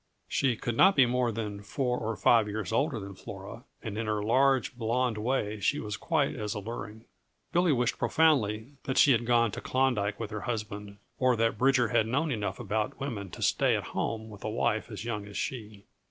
She could not be more than four or five years older than Flora, and in her large, blonde way she was quite as alluring. Billy wished profanely that she had gone to Klondyke with her husband, or that Bridger had known enough about women to stay at home with a wife as young as she.